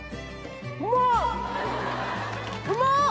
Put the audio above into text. うまっ！